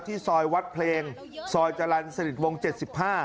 ซอยวัดเพลงซอยจรรย์สนิทวง๗๕